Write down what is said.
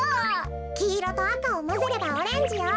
きいろとあかをまぜればオレンジよ。